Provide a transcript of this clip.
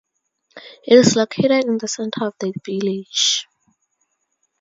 It is located in the centre of the village.